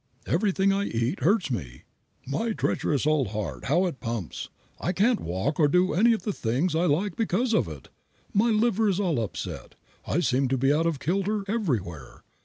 Everything I eat hurts me." "My treacherous old heart, how it pumps. I can't walk or do any of the things I like because of it." "My liver is all upset. I seem to be out of kilter everywhere.